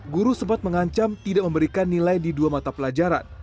guru sempat mengancam tidak memberikan nilai di dua mata pelajaran